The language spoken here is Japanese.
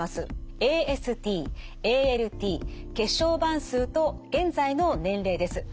ＡＳＴＡＬＴ血小板数と現在の年齢です。